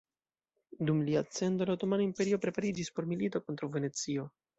Dum lia ascendo, la Otomana Imperio prepariĝis por milito kontraŭ Venecio.